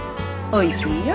おいしいよ。